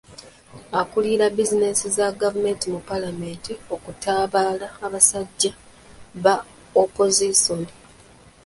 Akulira bbizineesi za gavumenti mu Paalamenti okutambaala abasajja ba Opozisoni.